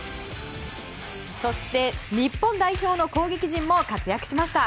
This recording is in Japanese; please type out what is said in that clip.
そして日本代表の攻撃陣も活躍しました。